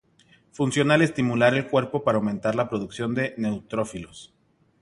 Funciona al estimular el cuerpo para aumentar la producción de neutrófilos.